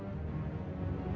pergi ke sana